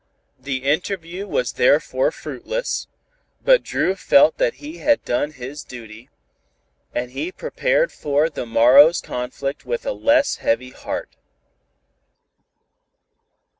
The interview was therefore fruitless, but Dru felt that he had done his duty, and he prepared for the morrow's conflict with a less heavy heart.